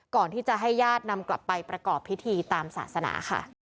ก่อนที่จะให้ญาตินำกลับไปประกอบพิธีตามศาสนาค่ะ